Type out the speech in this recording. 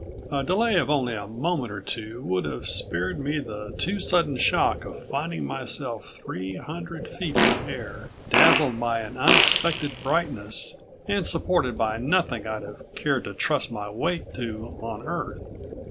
A delay of only a moment or two would have spared me the too sudden shock of finding myself three hundred feet in the air, dazzled by an unexpected brightness, and supported by nothing I'd have cared to trust my weight to on Earth.